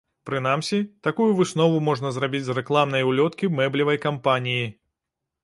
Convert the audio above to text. Прынамсі, такую выснову можна зрабіць з рэкламнай улёткі мэблевай кампаніі.